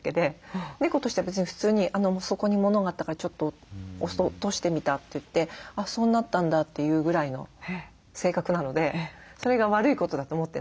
猫としては別に普通にそこに物があったからちょっと落としてみたといって「そうなったんだ」というぐらいの性格なのでそれが悪いことだと思ってないんですね。